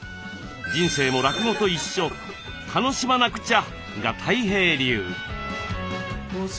人生も落語と一緒「楽しまなくちゃ」がたい平流。